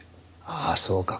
ああそうか。